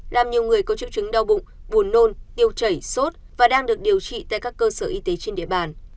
làm nhiều người có triệu chứng đau bụng buồn nôn tiêu chảy sốt và đang được điều trị tại các cơ sở y tế trên địa bàn